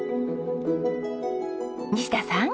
西田さん。